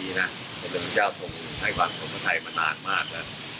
ว่าเราจะต้องถ่ายบังต้องถ่ายมานานมาก